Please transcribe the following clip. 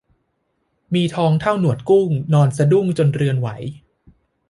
มีทองเท่าหนวดกุ้งนอนสะดุ้งจนเรือนไหว